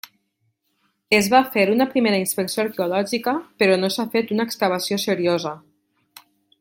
Es va fer una primera inspecció arqueològica però no s'ha fet una excavació seriosa.